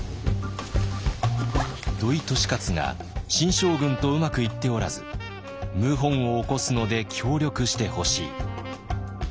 「土井利勝が新将軍とうまくいっておらず謀反を起こすので協力してほしい」。